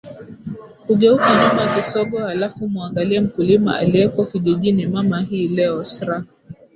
kugeuka nyuma kisogo halafu muangalie mkulima aliyeko kijijini mama hii leo ssra